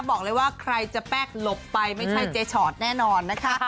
บอกเลยว่าใครจะแป๊กหลบไปไม่ใช่เจ๊ชอตแน่นอนนะคะ